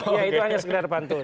ya itu hanya sekedar pantun